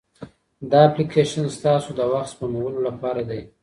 دا اپلیکیشن ستاسو د وخت سپمولو لپاره دی.